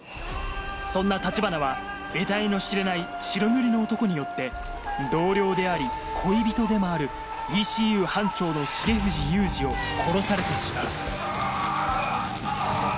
そんな橘はえたいの知れない白塗りの男によって同僚であり恋人でもあるＥＣＵ班長の重藤雄二を殺されてしまうあぁ！